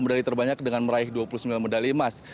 medali terbanyak dengan meraih dua puluh sembilan medali emas